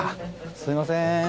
すいません